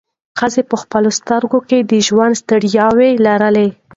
ښځې په خپلو سترګو کې د ژوند ستړیاوې لرلې.